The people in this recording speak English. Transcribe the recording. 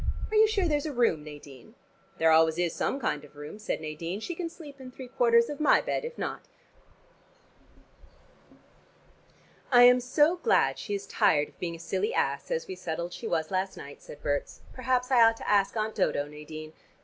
Are you sure there's a room, Nadine?" "There always is some kind of room," said Nadine. "She can sleep in three quarters of my bed, if not." "I'm so glad she is tired of being a silly ass, as we settled she was last night," said Berts. "Perhaps I ought to ask Aunt Dodo, Nadine."